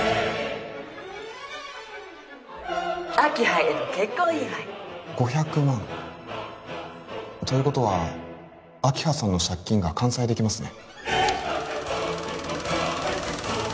明葉への結婚祝い５００万ということは明葉さんの借金が完済できますね